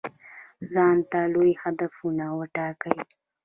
ځانته لوی هدفونه وټاکئ.